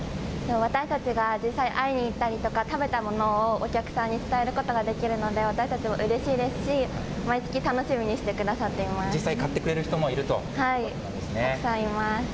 私たちが実際、会いに行ったりとか、食べたものをお客さんに伝えることができるので、私たちもうれしいですし、毎月楽しみに実際買ってくれる人もいるとはい、たくさんいます。